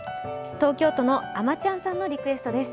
東京都のあまちゃんさんのリクエストです。